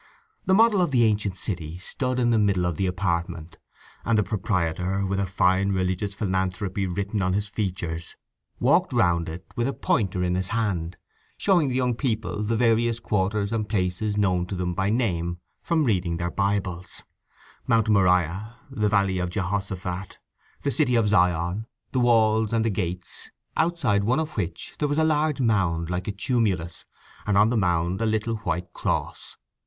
The model of the ancient city stood in the middle of the apartment, and the proprietor, with a fine religious philanthropy written on his features, walked round it with a pointer in his hand, showing the young people the various quarters and places known to them by name from reading their Bibles; Mount Moriah, the Valley of Jehoshaphat, the City of Zion, the walls and the gates, outside one of which there was a large mound like a tumulus, and on the mound a little white cross.